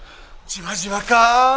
じわじわか！